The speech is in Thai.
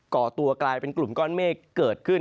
ก่อตัวกลายเป็นกลุ่มก้อนเมฆเกิดขึ้น